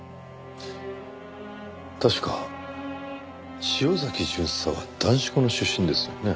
確か潮崎巡査は男子校の出身ですよね？